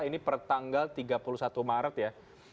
ini per tanggal tiga puluh satu maret ya